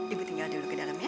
ibu tinggal dulu ke dalam ya